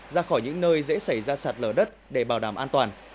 ra khỏi những nơi dễ xảy ra sạt lở đất để bảo đảm an toàn